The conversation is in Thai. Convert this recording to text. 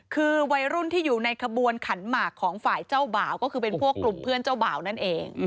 คือวัยรุ่นที่อยู่ในขบวนขันหมากของฝ่ายเจ้าบ่าวก็คือเป็นพวกกลุ่มเพื่อนเจ้าบ่าวนั่นเอง